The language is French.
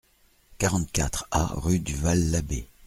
quarante-quatre A rue du Val l'Abbé